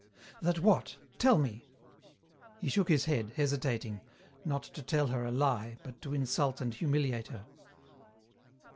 "That what? Tell me." He shook his head, hesitating, not to tell her a lie, but to insult and humiliate her.